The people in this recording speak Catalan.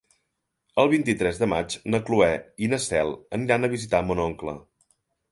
El vint-i-tres de maig na Cloè i na Cel aniran a visitar mon oncle.